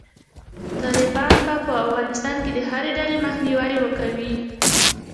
طالبان به په افغانستان کې د هري ډلې مخنیوی کوي.